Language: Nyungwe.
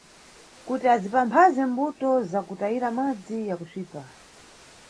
Kuti azipamphaze mbuto za kutayira madzi ya kusvipa.